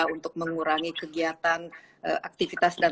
untuk mengurangi kegiatan aktivitas dan